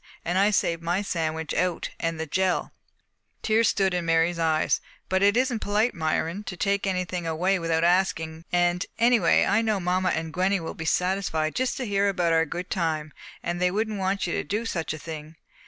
And I saved my sandwich out, and the jell!" Tears stood in Mary's eyes. "But it isn't polite, Myron, to take anything away without asking and, anyway, I know mamma and Gwenny will be satisfied to just hear about our good time, and they wouldn't want you to do such a thing."